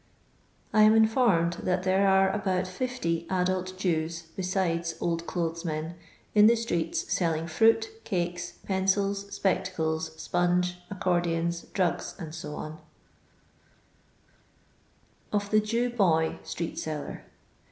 I am informed that there are abont 50 adult Jews (besides old clothes men) in the streets ■elling fruit, cakes, pencils, spectadM, iponge, accordions, drugs, dec Ov THa Jaw BoT STRBST SlLin